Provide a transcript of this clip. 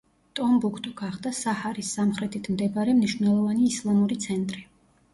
ტომბუქტუ გახდა საჰარის სამხრეთით მდებარე მნიშვნელოვანი ისლამური ცენტრი.